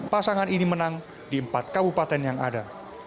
pasangan ini menang di empat kabupaten yang ada